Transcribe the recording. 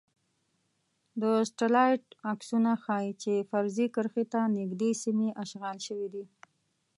د سټلایټ عکسونه ښايی چې فرضي کرښې ته نږدې سیمې اشغال شوي دي